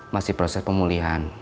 masih proses pemulihan